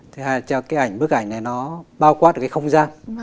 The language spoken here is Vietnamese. thứ hai là bức ảnh này nó bao quát được cái không gian